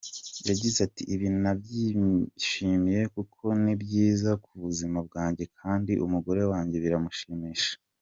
Yagize ati “Ibi nabyishimiye kuko ni byiza ku buzima bwanjye kandi umugore wanjye biramushimisha.